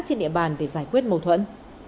trên địa bàn để giải quyết mâu thuẫn